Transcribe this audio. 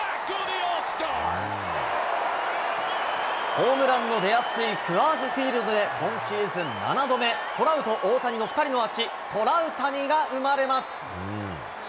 ホームランの出やすいクアーズフィールドで、今シーズン７度目、トラウト、大谷の２人のアーチ、トラウタニが生まれます。